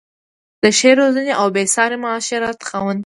د ښې روزنې او بې ساري معاشرت خاوند وې.